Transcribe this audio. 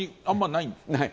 ない。